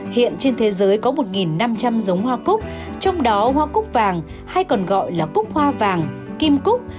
hiện trên thế giới có một năm trăm linh giống hoa cúc trong đó hoa cúc vàng hay còn gọi là cúc hoa vàng kim cúc